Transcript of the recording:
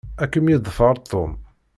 Ad kem-yeḍfer Tom.